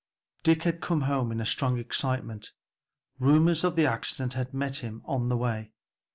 Dick had come home in strong excitement, rumors of the accident having met him on the way.